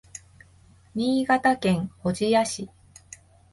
新潟県小千谷市